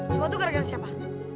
semua itu gara gara siapa